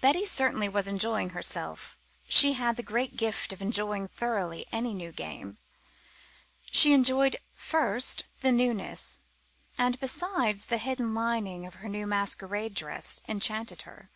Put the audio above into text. Betty certainly was enjoying herself. She had the great gift of enjoying thoroughly any new game. She enjoyed, first, the newness; and, besides, the hidden lining of her new masquerade dress enchanted her.